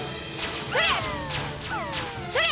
それ！